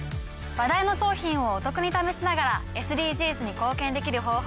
話題の商品をお得に試しながらＳＤＧｓに貢献できる方法